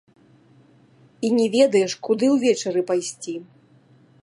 І не ведаеш, куды ўвечары пайсці.